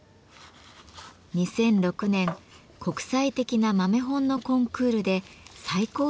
２００６年国際的な豆本のコンクールで最高賞を受賞しました。